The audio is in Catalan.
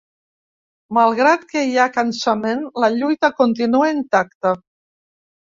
Malgrat que hi ha cansament, la lluita continua intacta.